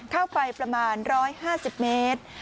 เข้าไปประมาณ๑๕๐เมตร